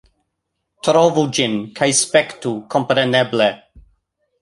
Trovu ĝin, kaj spektu kompreneble.